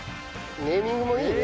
ネーミングもいいね。